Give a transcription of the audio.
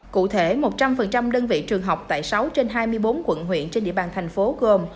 cụ thể một trăm linh đơn vị trường học tại sáu trên hai mươi bốn quận huyện trên địa bàn thành phố gồm